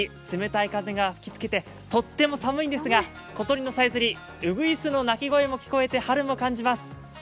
冷たい風が吹きつけて取っても寒いんですが、今年のさえずり、ウグイスの鳴き声も聞こえて春も感じます。